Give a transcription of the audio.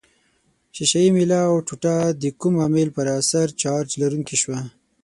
ښيښه یي میله او ټوټه د کوم عامل په اثر چارج لرونکې شوه؟